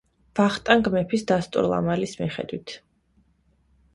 ვახტანგ მეფის დასტურლამალის მიხედვით.